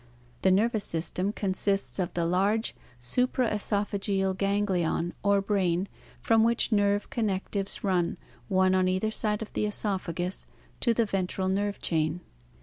The nervous system consists of the large supraoesophageal ganglion or brain from which nerve connectives run, one on either side of the oesophagus, to the ventral nerve chain.